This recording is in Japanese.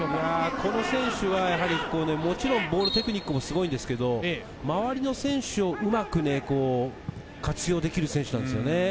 この選手はボールテクニックもすごいんですけれども、周りの選手をうまく活用できる選手なんです。